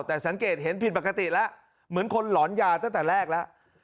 แต่สังเกตเห็นผิดปกติแล้วเหมือนคนหลอนยาตั้งแต่แรกแล้ว